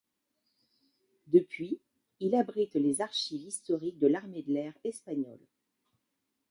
Depuis, il abrite les archives historiques de l'Armée de l'air espagnole.